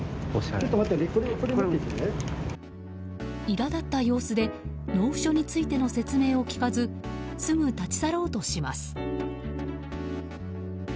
苛立った様子で納付書についての説明を聞かずすぐ立ち去ろうとします。